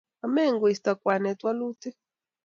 Amengeisten kwane walutik